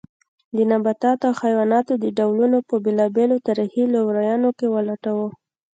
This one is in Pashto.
د نباتاتو او حیواناتو د ډولونو په بېلابېلو تاریخي لورینو کې ولټوو.